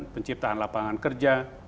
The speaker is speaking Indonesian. penciptaan lapangan kerja